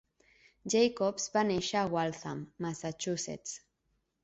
Jacobs va néixer a Waltham, Massachusetts.